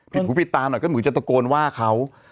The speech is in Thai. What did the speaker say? หูผิดตาหน่อยก็เหมือนจะตะโกนว่าเขา